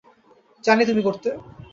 জানি তুমি করতে।